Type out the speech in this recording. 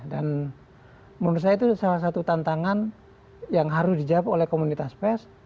dan menurut saya itu salah satu tantangan yang harus dijawab oleh komunitas pes